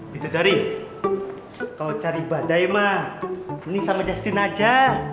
bidadari kalau cari badai mah ini sama justin aja